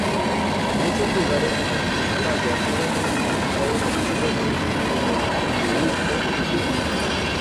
Muchos lugares en el Himalaya tienen un significado religioso en el hinduismo y budismo.